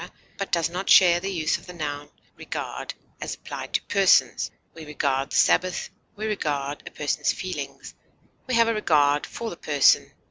but does not share the use of the noun regard as applied to persons; we regard the Sabbath; we regard a person's feelings; we have a regard for the person.